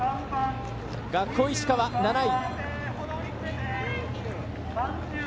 学法石川、７位。